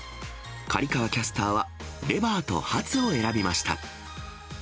刈川キャスターは、レバーとハツを選びました。